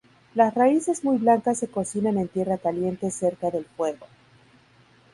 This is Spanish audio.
Las raíces muy blancas se cocinan en tierra caliente cerca del fuego.